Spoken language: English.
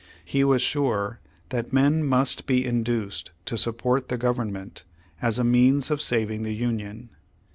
He was sure that men must be induced to support the Government, as a means of saving the Union.